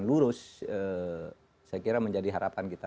lurus saya kira menjadi harapan kita